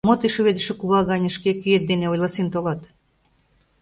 Мо тый шӱведыше кува гане шке кӱет ден ойласен толат?